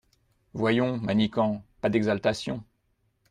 Voyons, Manicamp, pas d’exaltation…